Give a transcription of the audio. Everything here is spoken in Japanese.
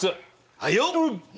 はいよ！